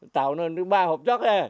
tạo nên ba hợp chất